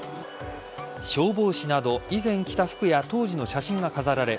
消防士など以前着た服や当時の写真が飾られ